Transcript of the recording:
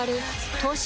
東芝